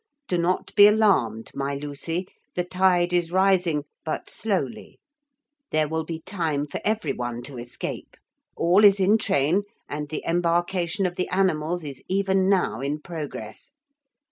Do not be alarmed, my Lucy. The tide is rising but slowly. There will be time for every one to escape. All is in train, and the embarkation of the animals is even now in progress.